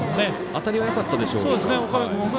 当たりはよかったでしょうか。